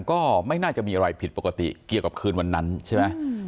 ก็ไม่น่าจะมีอะไรผิดปกติเกี่ยวกับคืนวันนั้นใช่ไหม